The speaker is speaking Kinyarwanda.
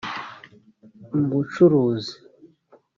mu bucuruzi